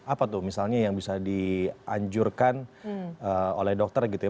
apa tuh misalnya yang bisa dianjurkan oleh dokter gitu ya